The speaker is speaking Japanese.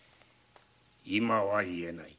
今は言えない。